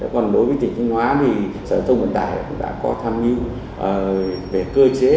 còn đối với tỉnh thanh hóa thì sở thông quyền tài đã có tham dự về cơ chế